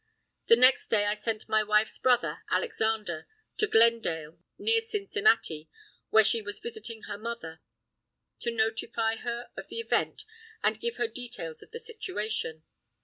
The next day I sent my wife's brother, Alexander, to Glendale, near Cincinnati, where she was visiting her mother, to notify her of the event and give her details of the situation.